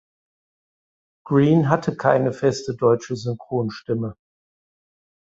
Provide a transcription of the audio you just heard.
Greene hatte keine feste deutsche Synchronstimme.